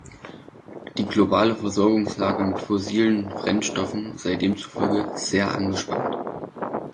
Die globale Versorgungslage mit fossilen Brennstoffen sei demzufolge „sehr angespannt“.